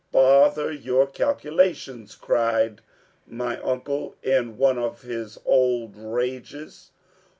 "Bother your calculations," cried my uncle in one of his old rages.